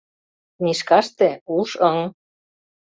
Книжкаште — уш-ыҥ»